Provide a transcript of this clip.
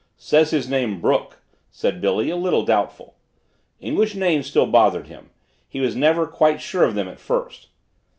"Say his name Brook," said Billy, a little doubtful. English names still bothered him he was never quite sure of them at first.